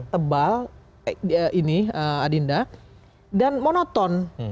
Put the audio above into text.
tebal adinda dan monoton